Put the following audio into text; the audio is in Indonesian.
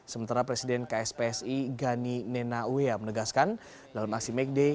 sementara presiden kspsi gani nenauya menegaskan dalam aksi may day